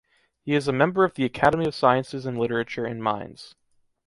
He is a member of the „Academy of Sciences and Literature“ in Mainz.